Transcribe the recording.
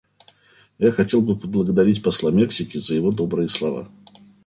Я хотел бы поблагодарить посла Мексики за его добрые слова.